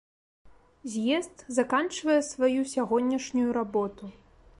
З'езд заканчвае сваю сягонняшнюю работу.